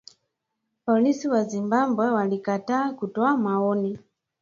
Polisi wa Zimbabwe walikataa kutoa maoni